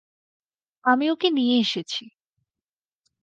আমি ওকে নিয়ে এসেছি।